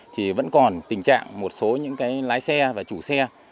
thì vẫn còn tình trạng một số những lái xe và chủ xe